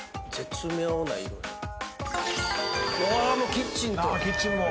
キッチンと。